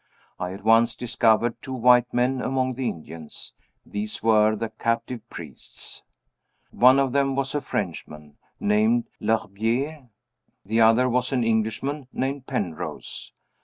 I at once discovered two white men among the Indians. These were the captive priests. "One of them was a Frenchman, named L'Herbier. The other was an Englishman, named Penrose.